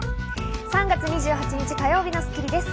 ３月２８日、火曜日の『スッキリ』です。